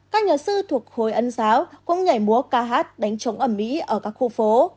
các nhà sư thuộc khối ấn giáo cũng nhảy múa ca hát đánh chống ẩm mỹ ở các khu phố